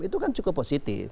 itu kan cukup positif